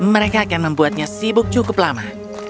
mereka akan membuatnya sibuk cukup lama